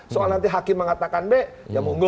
soal nanti hakim mengatakan b ya monggo